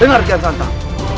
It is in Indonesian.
dengar kian santang